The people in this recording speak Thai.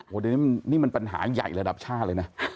โหนี่มันปัญหาใหญ่ระดับชาติเลยนะ